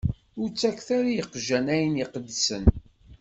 Ur ttaket ara i yiqjan ayen iqedsen.